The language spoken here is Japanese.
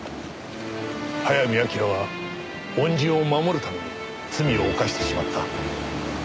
早見明は恩人を守るために罪を犯してしまった。